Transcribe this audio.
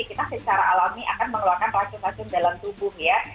kita secara alami akan mengeluarkan racun racun dalam tubuh ya